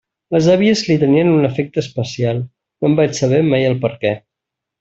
Les àvies li tenien un afecte especial; no en vaig saber mai el perquè.